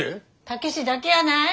武志だけやない。